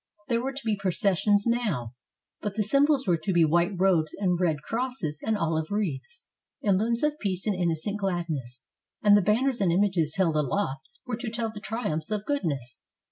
There were to be processions now, but the symbols were to be white robes and red crosses and olive wreaths, — emblems of peace and innocent gladness, — and the banners and images held aloft were to tell the triumphs of goodness.